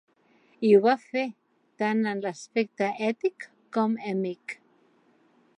I ho va fer, tant en l'aspecte ètic com èmic.